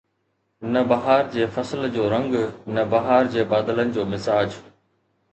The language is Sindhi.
نه بهار جي فصل جو رنگ، نه بهار جي بادلن جو مزاج